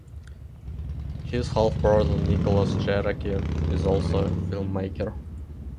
His half-brother Nicholas Jarecki is also a filmmaker.